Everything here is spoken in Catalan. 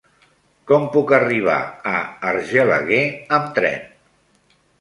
Com puc arribar a Argelaguer amb tren?